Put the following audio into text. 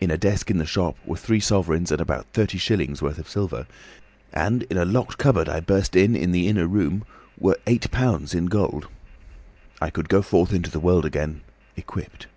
In a desk in the shop were three sovereigns and about thirty shillings' worth of silver, and in a locked cupboard I burst in the inner room were eight pounds in gold. I could go forth into the world again, equipped.